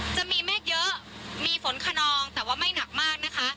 จะมีเมฆเยอะมีฝนขนองแต่ว่าไม่หนักมากนะคะ